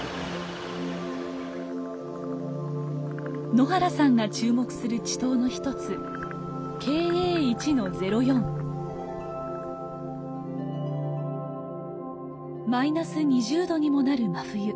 野原さんが注目する池溏の一つマイナス２０度にもなる真冬。